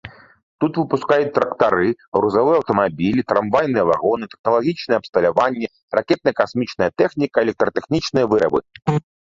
Тут выпускаюць трактары, грузавыя аўтамабілі, трамвайныя вагоны, тэхналагічнае абсталяванне, ракетна-касмічная тэхніка, электратэхнічныя вырабы.